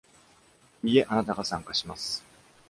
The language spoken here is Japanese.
いいえ、あなたが参加します。